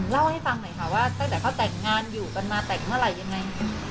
เล่าให้ฟังหน่อยค่ะว่าตั้งแต่เขาแต่งงานอยู่กันมาแต่งเมื่อไหร่ยังไง